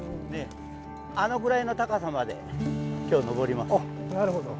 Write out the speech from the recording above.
あのぐらいの高さまで今日登ります。